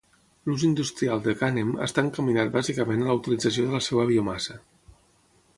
L'ús industrial de cànem està encaminat bàsicament a la utilització de la seva biomassa.